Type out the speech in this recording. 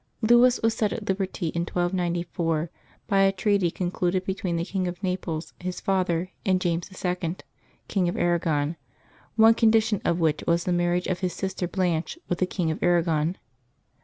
Louis was set at liberty in 1294, by a treaty concluded between the King of Xaples, his father, and James IL, King of Arra gon, one condition of which was the marriage of his sister Blanche with the King of Arragon.